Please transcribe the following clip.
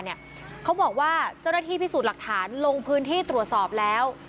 เนี่ยเขาบอกว่าจบที่พิสูจน์หลักฐานลงพื้นที่ตรวจสอบแล้ว